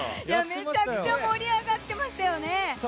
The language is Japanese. めちゃくちゃ盛り上がってましたよね。